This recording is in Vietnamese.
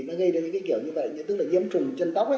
nó gây đến những kiểu như vậy tức là nhiễm trùng chân tóc ấy